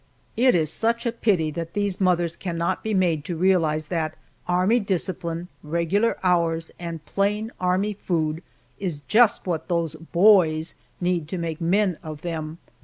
It is such a pity that these mothers cannot be made to realize that army discipline, regular hours, and plain army food is just what those "boys" need to make men of them.